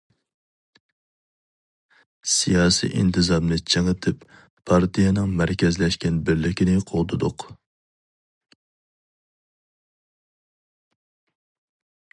سىياسىي ئىنتىزامنى چىڭىتىپ، پارتىيەنىڭ مەركەزلەشكەن بىرلىكىنى قوغدىدۇق.